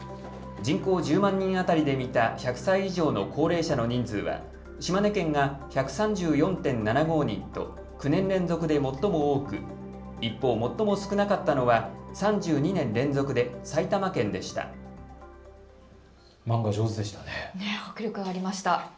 人口１０万人当たりで見た１００歳以上の高齢者の人数は島根県が１３４．７５人と９年連続で最も多く一方、最も少なかったのは３２年連続で埼玉県でした。